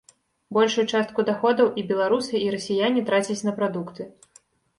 Большую частку даходаў і беларусы, і расіяне трацяць на прадукты.